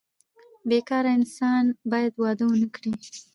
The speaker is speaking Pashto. بې کاره انسان باید واده ونه کړي.